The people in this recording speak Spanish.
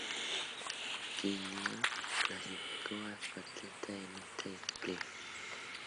Guinea clasificó a una atleta en esta disciplina.